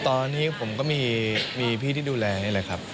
ตอนนี้ผมก็มีพี่ที่ดูแลนี่แหละครับ